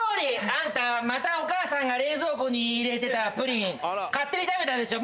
あんたはまたお母さんが冷蔵庫に入れてたプリン勝手に食べたでしょ？